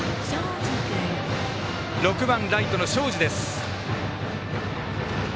６番ライトの東海林です。